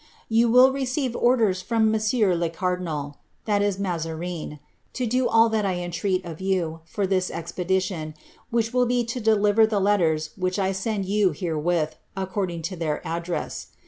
You will receive orders from M. le cardinal (Mazarine) to do all that I en treat of you for this expedition, which will be to deliver the letters that I stud yuu herewith, according to their address.